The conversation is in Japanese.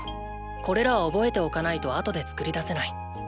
これらは覚えておかないと後で作り出せない。